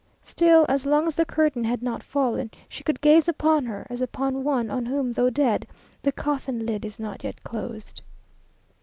Still, as long as the curtain had not fallen, she could gaze upon her, as upon one on whom, though dead, the coffin lid is not yet closed.